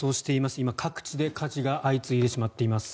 今、各地で火事が相次いでしまっています。